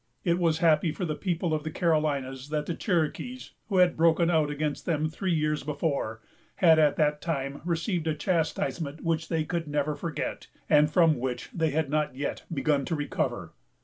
It was happy for the people of the Carolinas that the Cherokees, who had broken out against them three years before, had at that time received a chastisement which they could never forget, and from which they had not yet begun to recover.